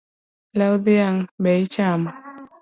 Lew dhiang’ be ichamo?